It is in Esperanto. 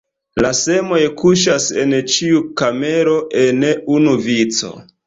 La semoj kuŝas en ĉiu kamero en unu vico.